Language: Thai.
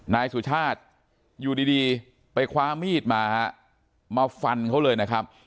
นายสุชาติอยู่ดีไปคว้ามีดมาฮะมาฟันเขาเลยนะครับ